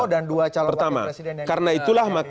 dan dua calon wakil presiden yang lain